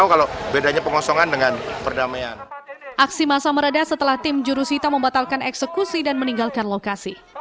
aksi masa meredah setelah tim jurusita membatalkan eksekusi dan meninggalkan lokasi